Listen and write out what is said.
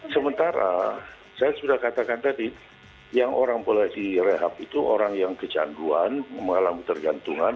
sementara saya sudah katakan tadi yang orang boleh direhab itu orang yang kecanduan mengalami ketergantungan